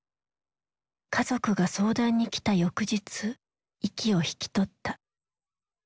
家族が相談に来た翌日息を引き取った。